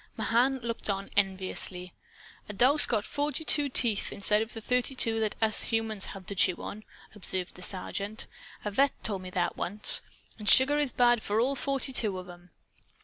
Mahan looked on, enviously. "A dog's got forty two teeth, instead of the thirty two that us humans have to chew on," observed the Sergeant. "A vet' told me that once. And sugar is bad for all forty two of 'em.